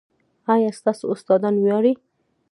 ایا ستاسو استادان ویاړي؟